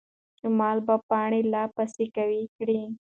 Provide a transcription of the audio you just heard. شمال به پاڼه لا پسې قوي کړي.